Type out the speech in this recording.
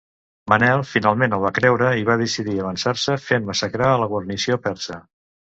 Manel finalment el va creure i va decidir avançar-se fent massacrar a la guarnició persa.